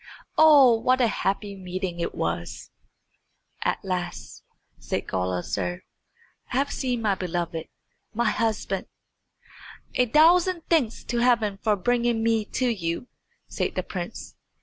Oh, what a happy meeting it was! "At last," said Gulizar, "I have seen my beloved, my husband." "A thousand thanks to Heaven for bringing me to you," said the prince.